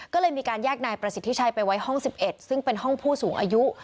ก็เลยมีการแยกนายประสิทธิชัยไปไว้ห้อง๑๑ซึ่งเป็นห้องผู้สูงอายุ